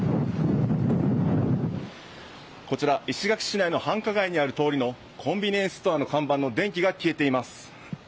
こちら石垣市内の繁華街にある通りのコンビニエンスストアの看板の電気が消えています。